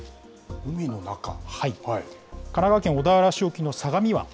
神奈川県小田原市沖の相模湾。